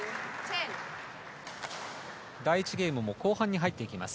第１ゲームも後半に入っていきます。